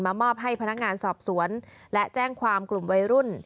มอบให้พนักงานสอบสวนและแจ้งความกลุ่มวัยรุ่น